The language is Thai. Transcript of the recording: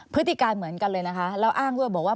พฤติการเหมือนกันเลยนะคะแล้วอ้างด้วยบอกว่า